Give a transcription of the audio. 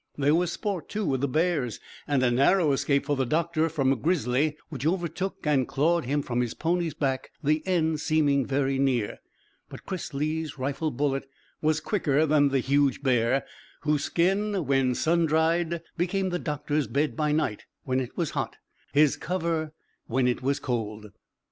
There was sport too with the bears, and a narrow escape for the doctor from a grizzly which overtook and clawed him from his pony's back, the end seeming very near. But Chris Lee's rifle bullet was quicker than the huge bear, whose skin when sun dried, became the doctor's bed by night when it was hot, his cover when it was cold.